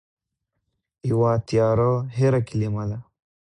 يوه تېره هېره کلمه ده